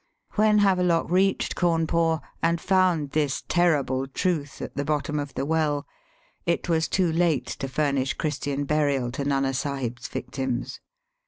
When Havelock reached Cawnpore, and found this terrible truth at the bottom of the well, it was too late to furnish Christian burial to Nana Sahib's victims.